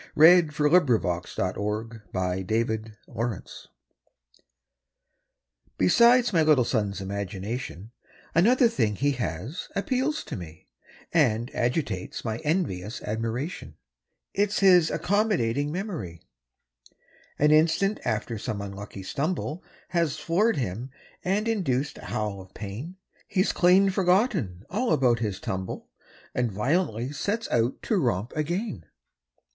HIS MEMORY Besides my little son's imagination, Another thing he has appeals to me And agitates my envious admiration It's his accommodating memory. An instant after some unlucky stumble Has floored him and induced a howl of pain, He's clean forgotten all about his tumble And violently sets out to romp again.